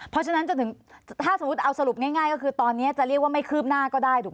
เพราะฉะนั้นจนถึงถ้าสมมุติเอาสรุปง่ายก็คือตอนนี้จะเรียกว่าไม่คืบหน้าก็ได้ถูกไหม